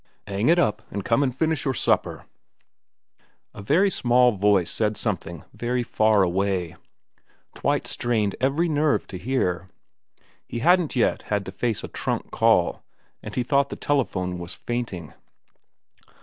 ' 'Ang it up, and come and finish your supper.' A very small voice said something very far away. Twite strained every nerve to hear. He hadn't yet had to face a trunk call, and he thought the telephone was fainting.